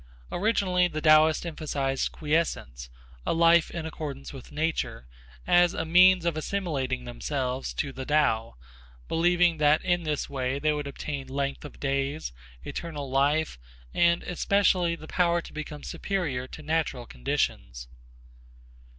Originally the Taoists emphasized quiescence, a life in accordance with nature, as a means of assimilating themselves to the Tao, believing that in this way they would obtain length of days, eternal life and especially the power to become superior to natural conditions.